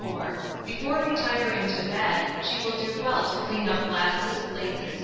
Before retiring to bed, she will do well to clean up glasses, plates, &c.